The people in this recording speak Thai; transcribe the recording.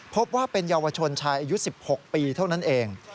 พบว่าเป็นเยาวชนชายอายุ๑๖ปีเท่านั้นเอง